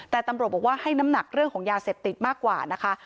แต่ตำรวจบอกว่าให้น้ำหนักเรื่องของยาเสพติดมากกว่านะคะ